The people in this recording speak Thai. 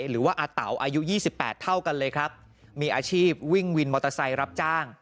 หรือว่าอาเต๋าอายุ๒๘เท่ากันเลยครับมีอาชีพวิ่งวินมอเตอร์ไซค์รับจ้าง